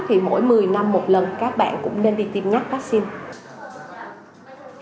thì mỗi một mươi năm một lần các bạn cũng nên đi tiêm nhắc vaccine